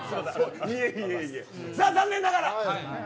さあ残念ながら。